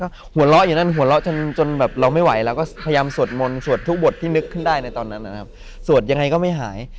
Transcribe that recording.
ก็หัวเราะอยู่นั่นหัวเราะจนจนแบบเราไม่ไหวเราก็พยายามสวดมนต์สวดทุกบทที่นึกขึ้นได้ในตอนนั้นนะครับสวดยังไงก็ไม่หาย